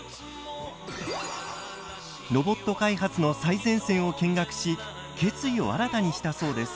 ロボット開発の最前線を見学し決意を新たにしたそうです。